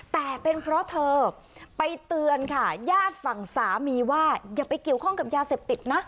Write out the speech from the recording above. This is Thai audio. แต่เป็นเพราะเธอไปเตือนค่ะญาติฝั่งสามีว่าอย่าไปเกี่ยวข้องกับยาเสพติดนะ